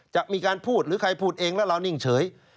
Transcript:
จะมีการพูดหรือใครพูดเองแล้วเรานิ่งเฉย